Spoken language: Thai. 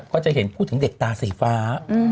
ก็จะเห็นพูดถึงเด็กตาสีฟ้า